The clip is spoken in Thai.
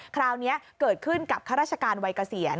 คราวนี้เกิดขึ้นกับข้าราชการวัยเกษียณ